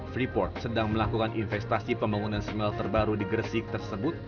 freeport sedang melakukan investasi pembangunan smelter baru di gresik tersebut